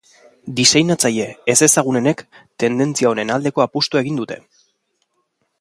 Diseinatzaile ezagunenek tendentzia honen aldeko apustua egin dute.